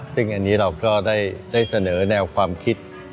ซึ่งอันนี้เราก็ได้เสนอแนวความคิด